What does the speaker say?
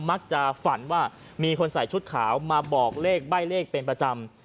มักจะฝันว่ามีคนใส่ชุดขาวมาบอกเลขใบ้เลขเป็นประจำ